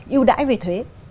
yêu đãi về thuế